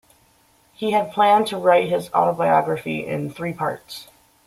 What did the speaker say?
He had planned to write his autobiography in three parts.